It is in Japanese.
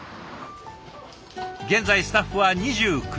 現在スタッフは２９人。